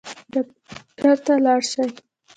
ډاکټر ته لاړ شئ